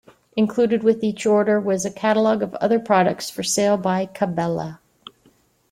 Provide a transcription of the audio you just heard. Included with each order was a catalog of other products for sale by Cabela.